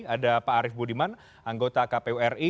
ada pak arief budiman anggota kpu ri